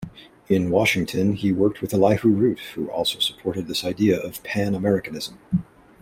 In Washington, he worked with Elihu Root who also supported this idea of Pan-Americanism.